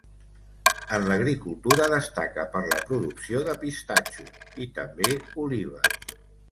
En l'agricultura destaca per la producció de pistatxo, i també olives.